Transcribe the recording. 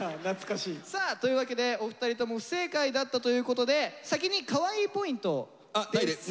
さあというわけでお二人とも不正解だったということで先にカワイイポイント。